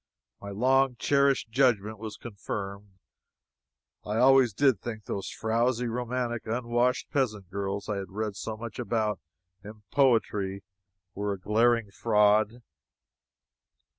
My long cherished judgment was confirmed. I always did think those frowsy, romantic, unwashed peasant girls I had read so much about in poetry were a glaring fraud.